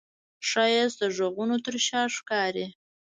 ښایست د غږونو تر شا ښکاري